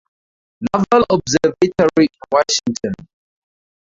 Naval Observatory in Washington.